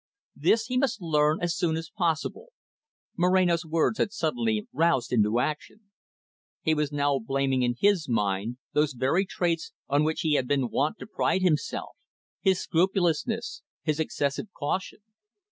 This he must learn as soon as possible. Moreno's words had suddenly roused him to action. He was now blaming in his mind, those very traits on which he had been wont to pride himself, his scrupulousness, his excessive caution.